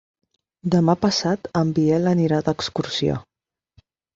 Demà passat en Biel anirà d'excursió.